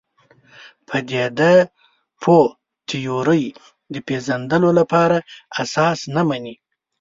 پدیده پوه تیورۍ د پېژندلو لپاره اساس نه مني.